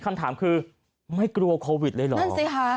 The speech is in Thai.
คำถามคือไม่กลัวโควิดเลยเหรอ